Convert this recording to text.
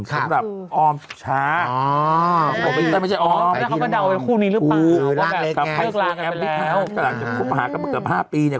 แต่หลังจากทุกประหารกับเกือบ๕ปีเนี่ย